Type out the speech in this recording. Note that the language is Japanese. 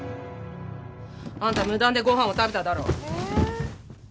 あんた無断でごはんを食べただろう。